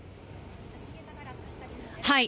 はい。